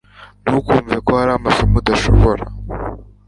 Ntukumve ko hari amasomo udashobora